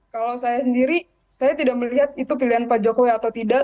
kalau saya sendiri saya tidak melihat itu pilihan pak jokowi atau tidak